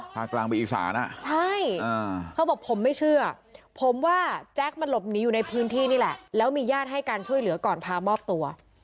ถ้ากลางไปอีกศาลน่ะใช่เขาบอกผมไม่เชื่อผมว่าแจ๊คมันหลบหนีอยู่ในพื้นที่นี่แหละ